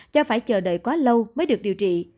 do phải chờ đợi quá lâu mới được điều trị